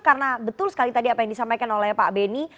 karena betul sekali tadi apa yang disampaikan oleh pak beni